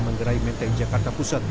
menggerai menteng jakarta pusat